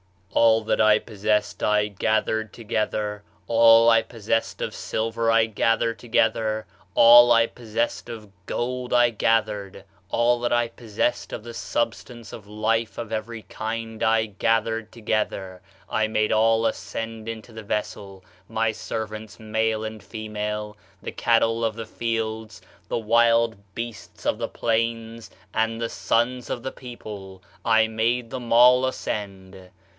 ] "'All that I possessed I gathered together; all I possessed of silver I gathered together; all that I possessed of gold I gathered all that I possessed of the substance of life of every kind I gathered together. I made all ascend into the vessel; my servants, male and female, the cattle of the fields, the wild beasts of the plains, and the sons of the people, I made them all ascend.